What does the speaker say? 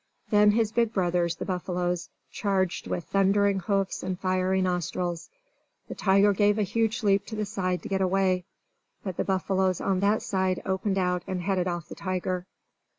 Then his big brothers, the buffaloes, charged with thundering hoofs and fiery nostrils. The tiger gave a huge leap to the side to get away; but the buffaloes on that side opened out and headed off the tiger.